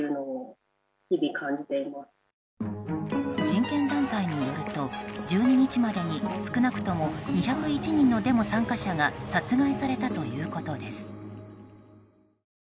人権団体によると１２日までに少なくとも２０１人のデモ参加者が殺害されたということです。